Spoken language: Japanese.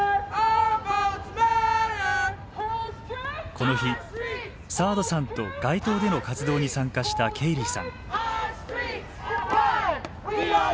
この日サードさんと街頭での活動に参加したケイリーさん。